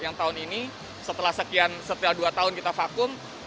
yang tahun ini setelah sekian setelah dua tahun kita vakum